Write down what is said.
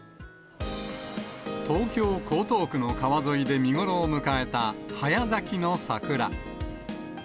東京・江東区の川沿いで見頃を迎えた早咲きの桜。